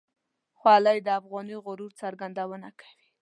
خولۍ د افغاني غرور څرګندونه کوي.